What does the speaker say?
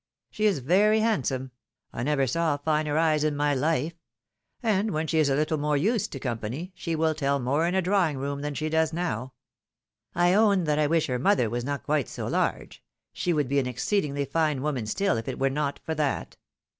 She is very handsome — ^I never saw finer eyes in my life ; and when she is a little more used to company, she will tell more in a drawing room than she does now. I own that I wish her mother was not quite so large, — she would be an exceedingly fine woman still, if it were not for that.